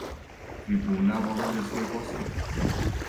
Трибунал обавља свој посао.